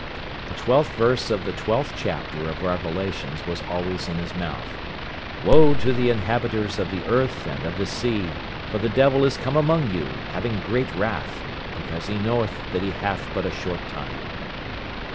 The twelfth verse of the twelfth chapter of Revelations was always in his mouth: 'Woe to the inhabiters of the earth and of the sea! for the devil is come among you, having great wrath, because he knoweth that he hath but a short time.'